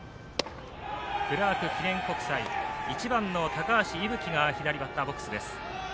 クラーク記念国際１番の高橋歩希が左バッターボックスです。